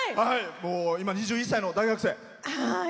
２１歳の大学生。